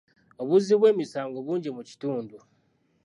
Obuzzi bw'emisango bungi mu kitundu.